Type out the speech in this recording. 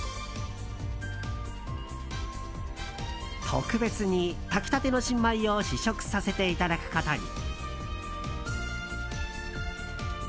特別に炊きたての新米を試食させていただくことに。